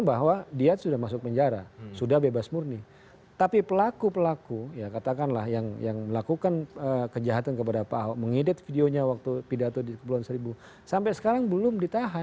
bahkan katanya mau menikah